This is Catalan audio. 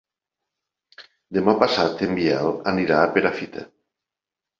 Demà passat en Biel anirà a Perafita.